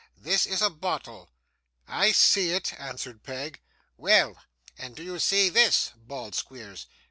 This is a bottle.' 'I see it,' answered Peg. 'Well, and do you see THIS?' bawled Squeers.